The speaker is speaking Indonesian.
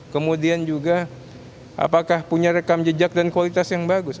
kemudian juga apakah punya rekam jejak dan kualitas yang bagus